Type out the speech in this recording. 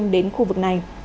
đến khu vực này